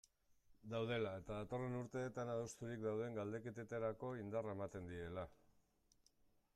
Daudela eta datorren urteetan adosturik dauden galdeketetarako indarra ematen diela.